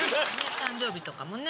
誕生日とかもね。